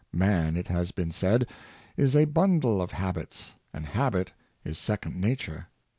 Man, it has been said, is a bun dle of habits, and habit is second nature.